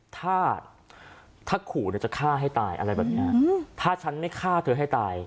ถ้าถ้าขู่เนี่ยจะฆ่าให้ตายอะไรแบบนี้ถ้าฉันไม่ฆ่าเธอให้ตาย